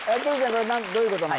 これどういうことなの？